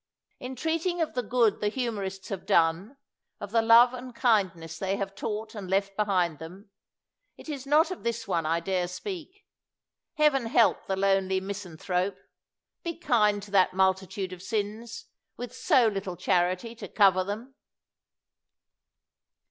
In treating of the good the humorists have done, of the love and kindness they have taught and left behind them, it is not of this one I dare speak. Heaven help the lonely misan thrope! be kind to that multitude of sins, with so little charity to cover them